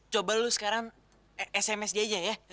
coba lo sekarang sms dia aja ya